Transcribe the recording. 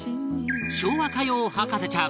昭和歌謡博士ちゃん